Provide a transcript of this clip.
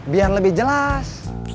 biar lebih jelas